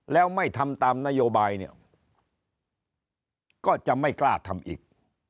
แล้วไม่ทำตามนโยบายเนี่ยก็จะไม่กล้าทำอีก